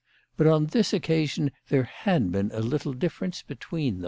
But on this occasion there had been a little difference between them.